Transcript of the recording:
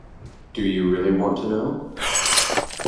Do You Really Want To Know?